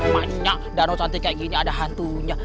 banyak danau cantik kayak gini ada hantunya